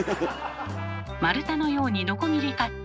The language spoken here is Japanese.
丸太のようにノコギリカット。